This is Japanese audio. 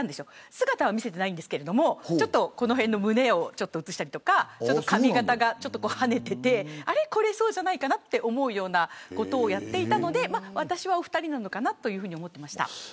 姿は見えていないんですが胸を写したりとか髪形がはねていてこれはそうじゃないかと思うようなことをやっていたので私はお二人なのかなと思っていました。